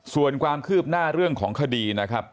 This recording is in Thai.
ส่วนความคืบหน้าเรื่องของคดีนะครับ